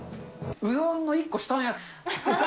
うどんの１個下のやつ。